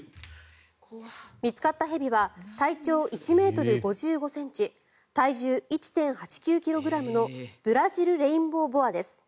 見つかった蛇は体長１ｍ５５ｃｍ体重１．８９ｋｇのブラジルレインボーボアです。